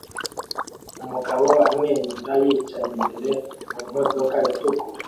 Umugabo amwenyura yicaye imbere mumodoka itukura